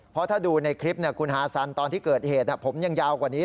เพราะถ้าดูในคลิปคุณฮาซันตอนที่เกิดเหตุผมยังยาวกว่านี้